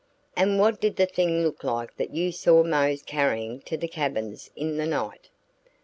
"And what did the thing look like that you saw Mose carrying to the cabins in the night?"